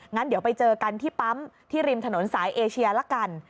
งั้นเดี๋ยวไปเจอกันที่ปั๊มที่ริมถนนสายเอเชียละกัน